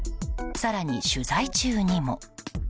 更に、取材中にも。